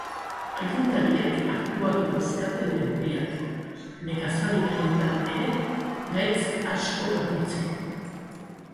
Agintariek hartuak dauzkate neurriak, nekazari-gaietan ere, gaitz asko garbitzeko.